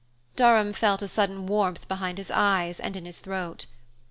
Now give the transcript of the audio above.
Durham felt a sudden warmth behind his eyes and in his throat.